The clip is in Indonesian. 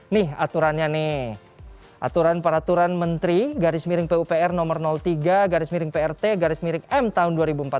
nih aturannya nih aturan peraturan menteri garis miring pupr nomor tiga garis miring prt garis miring m tahun dua ribu empat belas